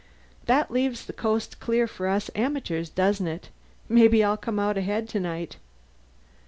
"That leaves the coast clear for us amateurs, doesn't it? Maybe I'll come out ahead tonight."